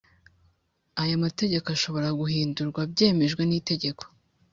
Aya mategeko ashobora guhindurwa byemejwe n’itegeko